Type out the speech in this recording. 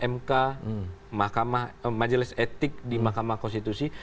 mk majelis etik di mahkamah konstitusi